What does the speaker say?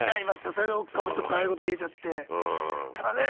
それで奥さんもちょっとああいうこと言えちゃってただね